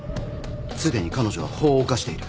すでに彼女は法を犯している。